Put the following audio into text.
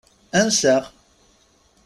Ansa-aɣ?